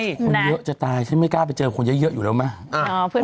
คนเยอะจะตายฉันไม่กล้าไปเจอคนเยอะอยู่แล้วไหม